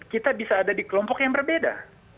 kita bisa ada di kelompok yang berbeda